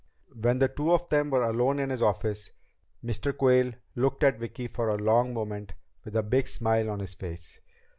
When the two of them were alone in his office, Mr. Quayle looked at Vicki for a long moment with a big smile on his face.